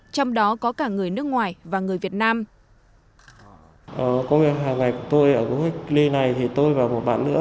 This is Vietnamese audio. trong đó có cả người nước ngoài và người việt nam